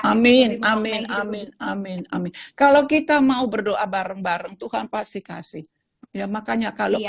amin amin amin amin amin kalau kita mau berdoa bareng bareng tuhan pasti kasih ya makanya kalau